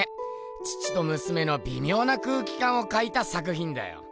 父とむすめのびみょうな空気かんを描いた作ひんだよ。